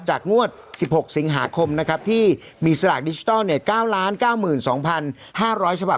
งวด๑๖สิงหาคมนะครับที่มีสลากดิจิทัล๙๙๒๕๐๐ฉบับ